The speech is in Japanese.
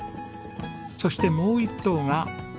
そしてもう１頭が。